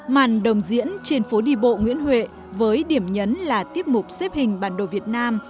màn đồng diễn trên phố đi bộ nguyễn huệ với điểm nhấn là tiếp mục xếp hình bản đồ việt nam